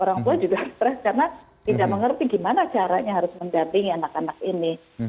orang tua juga stres karena tidak mengerti gimana caranya harus mendampingi anak anak ini